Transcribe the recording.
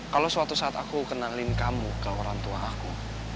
kalau suatu saat aku kenalin kamu ke orang tua aku